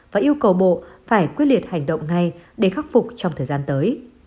và yêu cầu bộ phải quyết liệt hành động ngay để khắc phục trong thời gian tới